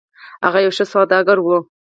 هغه یو ښه سوداګر ده